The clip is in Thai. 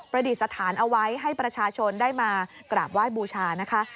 ดิษฐานเอาไว้ให้ประชาชนได้มากราบไหว้บูชานะคะ